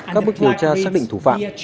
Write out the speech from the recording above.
các bước điều tra xác định thủ phạm